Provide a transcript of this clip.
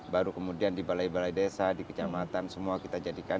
baru kemudian di balai balai desa di kecamatan semua kita jadikan